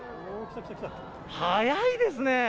速いですね。